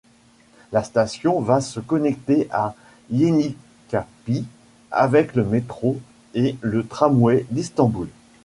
La station va se connecter à Yenikapı avec le métro et le tramway d'Istanbul.